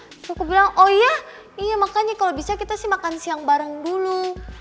aku bilang oh iya iya makanya kalau bisa kita sih makan siang bareng dulu